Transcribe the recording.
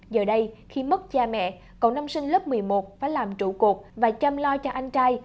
giờ đây khi mất cha mẹ cậu nam sinh lớp một mươi một phải làm trụ cột và chăm lo cho anh trai